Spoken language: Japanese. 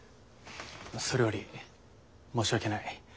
それより申し訳ない。